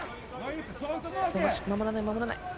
守らない、守らない。